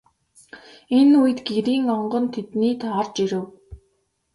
Энэ үед Гэрийн онгон тэднийд орж ирэв.